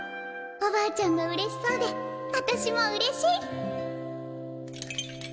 おばあちゃんがうれしそうであたしもうれしい！